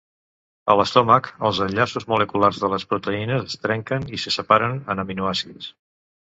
A l'estómac els enllaços moleculars de les proteïnes es trenquen i les separen en aminoàcids.